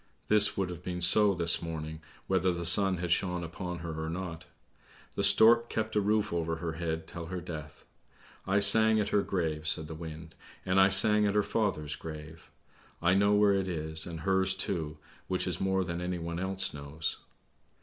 This would have been so this morning whether the sun had shone upon her or not. The stork kept a roof over her head till her death! I sang at her grave," said the wind, " and I sang at her father's grave. I know where it is, and her's too, which is more than anyone else knows.